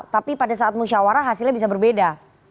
tapi pada saat musyawarah hasilnya bisa berbeda